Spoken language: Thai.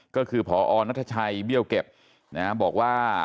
ก็คือพอนัทชัยเบี้ยวเก็บบอกว่า